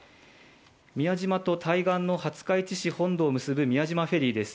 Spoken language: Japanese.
宮島と対岸の廿日市市本土を結ぶ宮島フェリーです。